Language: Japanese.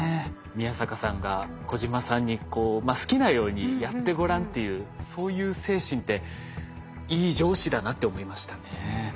宮坂さんが小島さんに「好きなようにやってごらん」っていうそういう精神っていい上司だなって思いましたね。